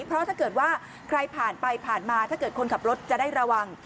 เพราะถ้าเกิดว่าใครผ่านไปผ่านมาถ้าเกิดคนขับรถจะได้ระวัง